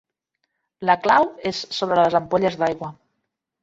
La clau és sobre les ampolles d'aigua.